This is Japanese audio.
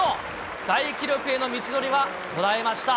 大記録への道のりは途絶えました。